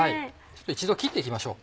一度切って行きましょう。